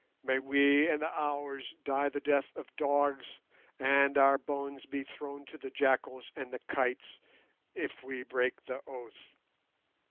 May we and ours die the death of dogs, and our bones be thrown to the jackals and the kites, if we break the oath!